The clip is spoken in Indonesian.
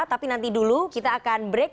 tapi nanti dulu kita akan break